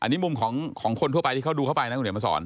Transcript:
อันนี้มุมของคนทั่วไปที่เขาดูเข้าไปนะคุณเดี๋ยวมาสอน